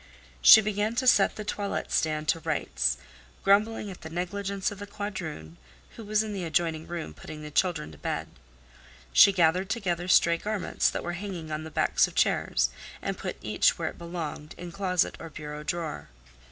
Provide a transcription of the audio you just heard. She began to set the toilet stand to rights, grumbling at the negligence of the quadroon, who was in the adjoining room putting the children to bed. She gathered together stray garments that were hanging on the backs of chairs, and put each where it belonged in closet or bureau drawer.